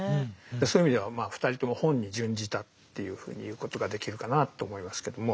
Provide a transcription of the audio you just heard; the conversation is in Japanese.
そういう意味では２人とも本に殉じたっていうふうに言うことができるかなと思いますけども。